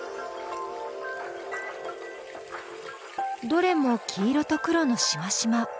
どれも黄色と黒のしましま。